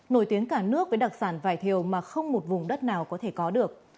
nổi tiếng cả nước với đặc sản vải thiều mà không một vùng đất nào có thể có được